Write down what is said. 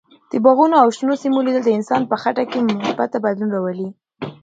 د باغونو او شنو سیمو لیدل د انسان په خټه کې مثبت بدلون راولي.